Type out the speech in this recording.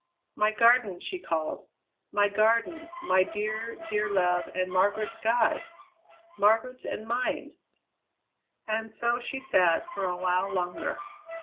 "My Garden!" she called; "my Garden, my dear, dear love and Margaret's God! Margaret's and mine!" And so she sat for a while longer.